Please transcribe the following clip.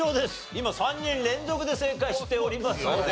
今３人連続で正解しておりますので。